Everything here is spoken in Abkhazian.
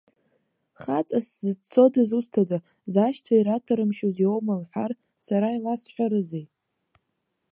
Хаҵас сзыццо дызусҭада, зашьцәа ираҭәарымшьаз иоума лҳәар, сара иласҳәарызеи?